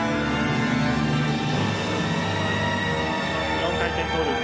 ４回転トーループ。